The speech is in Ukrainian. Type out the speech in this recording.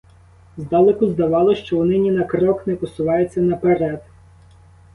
Здалеку здавалось, що вони ні на крок не посуваються наперед.